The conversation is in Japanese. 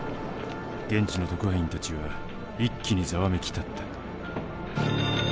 現地の特派員たちは一気にざわめき立った。